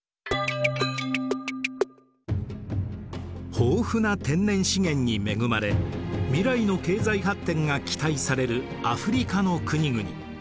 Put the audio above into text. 豊富な天然資源に恵まれ未来の経済発展が期待されるアフリカの国々。